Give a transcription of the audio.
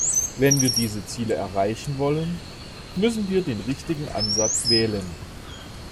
Wenn wir diese Ziele erreichen wollen, müssen wir den richtigen Ansatz wählen.